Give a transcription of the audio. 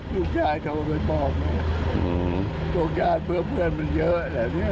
ลูกชายเขาก็ไปปอบพวกญาติเพื่อเพื่อนมันเยอะแหละเนี้ย